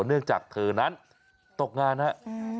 เนื่องจากเธอนั้นตกงานครับ